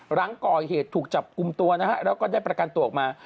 หลังก่อเหตุถูกจับกลุ่มตัวนะฮะแล้วก็ได้ประกันตัวออกมา